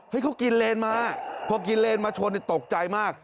เขากินเลนมาพอกินเลนมาชนตกใจมาก